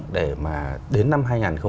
để mà đến năm hai nghìn hai mươi năm